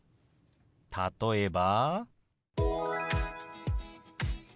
例えば。